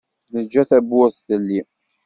Neǧǧa tawwurt telli.